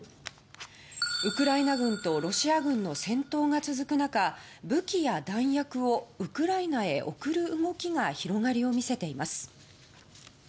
ウクライナ軍とロシア軍の戦闘が続く中、武器や弾薬をウクライナへ送る動きが広がりを見せています。